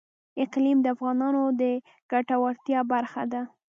اقلیم د افغانانو د ګټورتیا برخه ده.